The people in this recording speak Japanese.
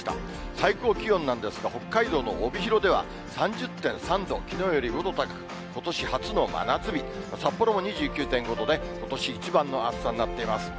最高気温なんですが、北海道の帯広では３０．３度、きのうより５度高く、ことし初の真夏日、札幌も２９．５度で、ことし一番の暑さになっています。